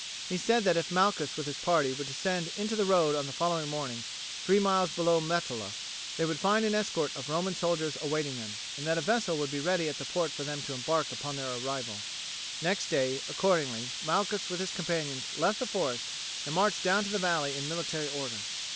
He said that if Malchus with his party would descend into the road on the following morning three miles below Metalla they would find an escort of Roman soldiers awaiting them, and that a vessel would be ready at the port for them to embark upon their arrival. Next day, accordingly, Malchus with his companions left the forest, and marched down to the valley in military order.